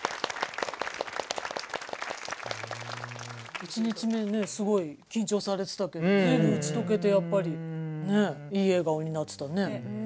１日目にねすごい緊張されてたけど随分打ち解けてやっぱりねいい笑顔になってたね。